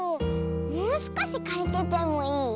もうすこしかりててもいい？